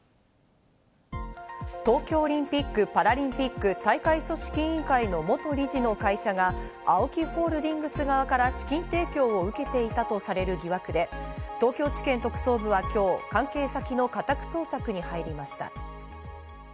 東京オリンピック・パラリンピック大会組織委員会の元理事の会社が、ＡＯＫＩホールディングス側から資金提供を受けていたとされる疑惑で、東京地検特捜部は今日、関係先の家宅捜索に入りました。